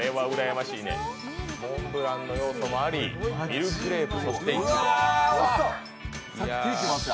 モンブランの要素もありミルクレープの要素も。